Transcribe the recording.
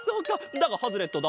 だがハズレットだ！